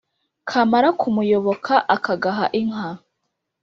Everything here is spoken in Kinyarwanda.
kamara kumuyoboka akagaha inka